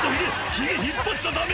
ヒゲ引っ張っちゃダメ！」